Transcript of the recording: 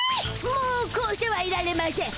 もうこうしてはいられましぇん！